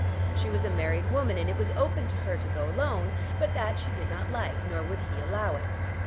She was a married woman, and it was open to her to go alone; but that she did not like, nor would he allow it.